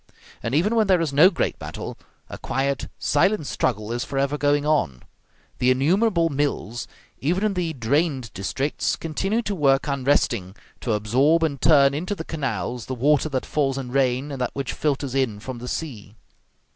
And even when there is no great battle, a quiet, silent struggle is forever going on. The innumerable mills, even in the drained districts, continue to work unresting, to absorb and turn into the canals the water that falls in rain and that which filters in from the sea.